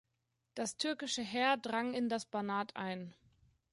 Das türkische Heer drang in das Banat ein.